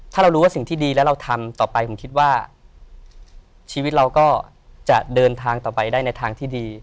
ถ้าเรารู้ว่าสิ่งที่ดีแล้วเราทำต่อไปผมคิดว่าชีวิตเราก็จะเดินทางต่อไปได้ในทางที่ดี